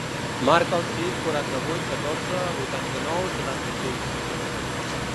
Marca el sis, quaranta-vuit, catorze, vuitanta-nou, setanta-sis.